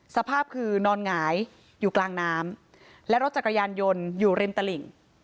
สภาพคือนอนหงายอยู่กลางน้ำและรถจักรยานยนต์อยู่ริมตลิ่ง